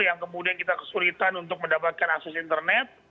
yang kemudian kita kesulitan untuk mendapatkan akses internet